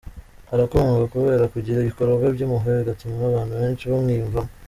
Arakundwa kubera kugira ibikorwa by’impuhwe bigatuma abantu benshi bamwiyumvamo.